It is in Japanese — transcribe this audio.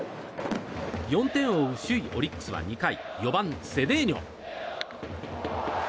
４点を追う首位、オリックスは２回４番、セデーニョ。